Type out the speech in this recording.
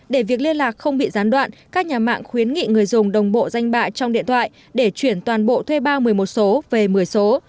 để việc liên lạc không bị gián đoạn các nhà mạng khuyến nghị người dùng đồng bộ danh bạ trong điện thoại để chuyển toàn bộ thuê bao một mươi một số về một mươi số